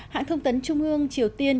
hãng thông tấn trung ương triều tiên